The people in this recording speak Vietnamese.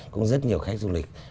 cũng rất nhiều khách du lịch